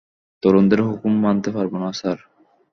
তরুণদের হুকুম মানতে পারবো না, স্যার।